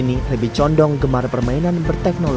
aslinya kan egrang ini adalah permainan yang berbeda